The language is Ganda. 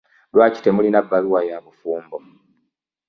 Lwaki temulina baluwa yabufumbo?